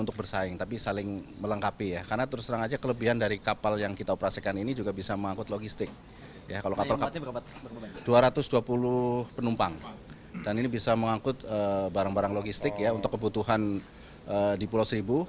kmp kundur bisa mengangkut logistik untuk kebutuhan di pulau seribu